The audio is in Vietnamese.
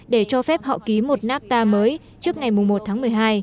để cho phép họ ký một nafta mới trước ngày một tháng một mươi hai